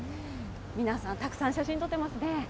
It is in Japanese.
皆さんたくさん写真撮ってますね。